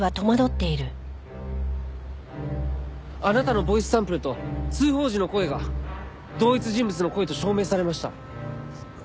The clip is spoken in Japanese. あなたのボイスサンプルと通報時の声が同一人物の声と証明されました。